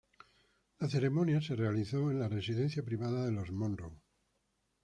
La ceremonia se realizó en la residencia privada de los Monroe.